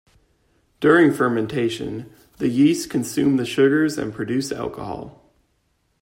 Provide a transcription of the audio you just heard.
During fermentation, the yeasts consume the sugars and produce alcohol.